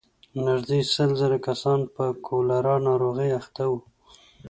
نږدې سل زره کسان پر کولرا ناروغۍ اخته وو.